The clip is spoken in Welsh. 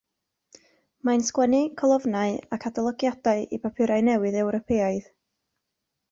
Mae'n sgwennu colofnau ac adolygiadau i bapurau newydd Ewropeaidd.